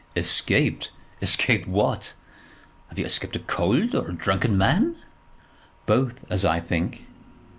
"Escaped! escaped what? Have you escaped a cold, or a drunken man?" "Both, as I think."